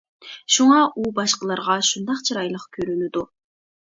شۇڭا ئۇ باشقىلارغا شۇنداق چىرايلىق كۆرۈنىدۇ.